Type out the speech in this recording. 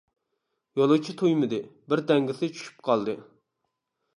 يولۇچى تۇيمىدى، بىر تەڭگىسى چۈشۈپ قالدى.